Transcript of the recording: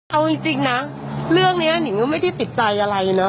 เอาจริงนะเรื่องนี้หนิงก็ไม่ได้ติดใจอะไรเนาะ